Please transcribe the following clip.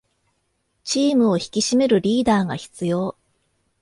チームを引き締めるリーダーが必要